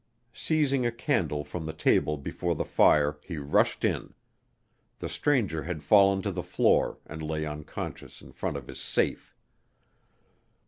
Seizing a candle from the table before the fire, he rushed in. The stranger had fallen to the floor and lay unconscious in front of his safe.